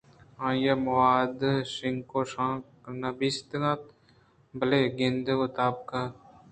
آئی ءِ مود شنگ ءُشانگ ءُنہ بستگ اِت اَنت بلئے گندگ ءَ تابناک اِت اَنت